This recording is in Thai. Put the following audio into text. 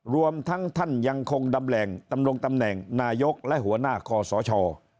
รวมทั้งท่านยังคงดำแหลงตำรงตำแหน่งนายกและหัวหน้าคอสช